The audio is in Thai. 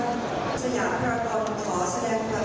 ต่อครอบครัวผู้เสียชีวิตและผู้อาจเจ็บทุกท่าน